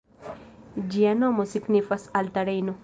Ĝia nomo signifas “alta Rejno”.